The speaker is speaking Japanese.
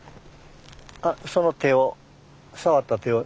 あその手を触った手を。